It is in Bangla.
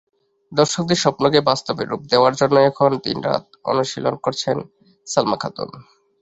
দর্শকদের স্বপ্নকে বাস্তবে রূপ দেওয়ার জন্যই এখন দিনরাত অনুশীলন করছেন সালমা খাতুন।